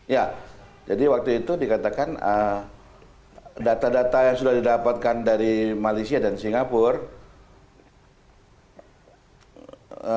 ya jadi waktu itu dikatakan data data yang sudah didapatkan dari malaysia dan singapura